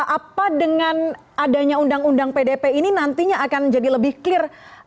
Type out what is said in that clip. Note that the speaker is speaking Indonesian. apa dengan adanya undang undang pdp ini nantinya akan jadi lebih clear